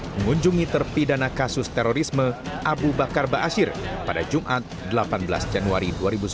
mengunjungi terpidana kasus terorisme abu bakar ⁇ baasyir ⁇ pada jumat delapan belas januari dua ribu sembilan belas